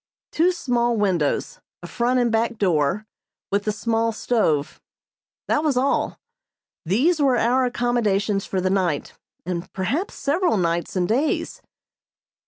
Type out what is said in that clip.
Two small windows, a front and back door, with the small stove that was all. These were our accommodations for the night, and perhaps several nights and days.